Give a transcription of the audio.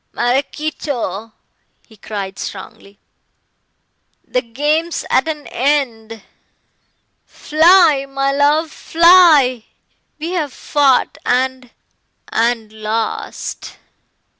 "Maraquito," he cried strongly, "the game's at an end. Fly, my love, fly. We have fought and and lost.